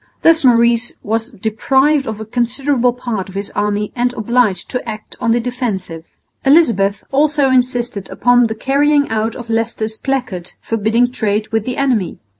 Thus Maurice was deprived of a considerable part of his army and obliged to act on the defensive. Elizabeth also insisted upon the carrying out of Leicester's placard forbidding trade with the enemy.